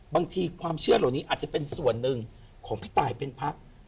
บางทีความเชื่อเหล่านี้อาจจะเป็นส่วนหนึ่งของพี่ตายเป็นพัก